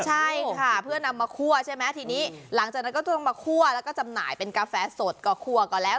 ใช่ค่ะเพื่อนำมาคั่วใช่ไหมทีนี้หลังจากนั้นก็ต้องมาคั่วแล้วก็จำหน่ายเป็นกาแฟสดก็คั่วก่อนแล้ว